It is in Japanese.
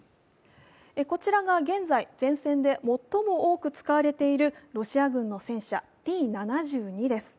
こちらが現在、前線で最も多く使われているロシア軍の戦車Ｔ−７２です。